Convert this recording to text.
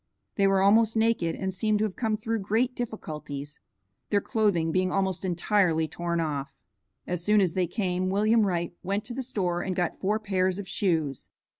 They were almost naked and seemed to have come through great difficulties, their clothing being almost entirely torn off. As soon as they came, William Wright went to the store and got four pair of shoes.